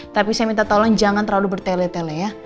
tapi saya minta tolong jangan terlalu bertele tele ya